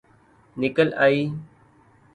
نکل آئ